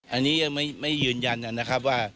อันนี้ยังไม่ยืนยันนะครับว่า